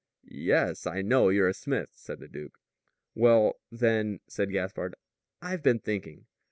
"Yes, I know you're a smith," said the duke. "Well, then," said Gaspard, "I've been thinking.